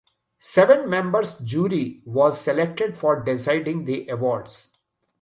Seven members jury was selected for deciding the awards.